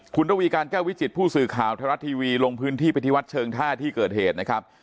คุณระวีการแก้ววิจิตผู้สื่อข่าวไทยรัฐทีวีลงพื้นที่ไปที่วัดเชิงท่าที่เกิดเหตุนะครับ